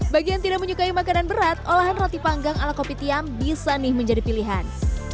bagi yang tidak menyukai makanan berat olahan roti panggang ala kopi tiam bisa nih menjadi pilihan